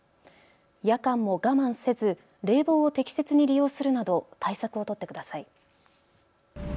夜間も我慢せず冷房を適切に利用するなど対策を取ってください。